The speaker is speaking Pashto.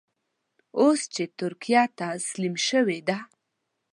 اوس چې ترکیه تسلیم شوې ده.